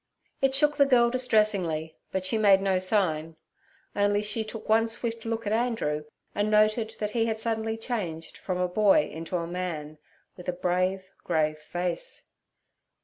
It shook the girl distressingly, but she made no sign; only she took one swift look at Andrew, and noted that he had suddenly changed from a boy into a man, with a brave, grave face.